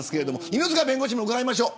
犬塚弁護士に伺います。